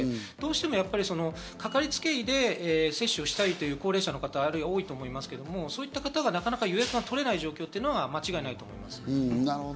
どうしてもかかりつけ医で接種したり、という高齢者の方が多いと思いますが、そういった方がなかなか予約を取れない状況というのは間違いないと思います。